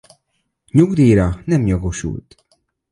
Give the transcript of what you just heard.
Nyugdíjra nem jogosult.